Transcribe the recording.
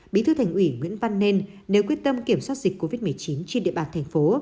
bí thư thành ủy nguyễn văn nên nếu quyết tâm kiểm soát dịch covid một mươi chín trên địa bàn thành phố